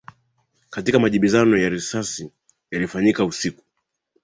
katika majibizano hayo ya risasi yaliyofanyika usiku